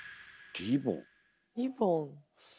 リボン？